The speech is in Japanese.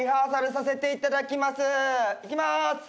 いきまーす。